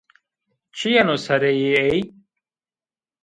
Çi yeno sereyê ey